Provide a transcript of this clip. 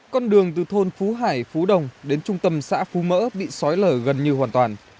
con đường từ thôn phú hải phú đồng đến trung tâm xã phú mỡ bị xói lở gần như hoàn toàn